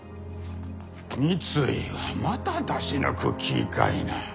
三井はまた出し抜く気ぃかいな。